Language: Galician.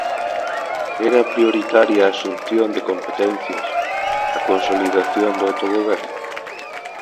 ¿Era prioritaria a asunción de competencias, a consolidación do autogoberno?